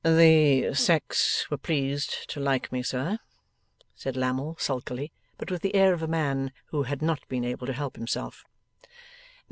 'The sex were pleased to like me, sir,' said Lammle sulkily, but with the air of a man who had not been able to help himself.